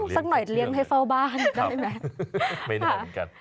สักหน่อยเลี้ยงให้เฟ้าบ้านด้วยเหมือนกัน